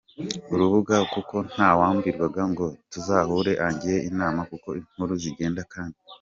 rubuga kuko ntawambwira ngo tuzahure angire inama kuko inkuru zigenda kandi.